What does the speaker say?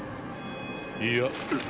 いや。